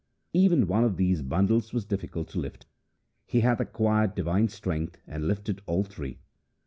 Even one of these bundles was difficult to lift. He hath acquired divine strength, and lifted all three.'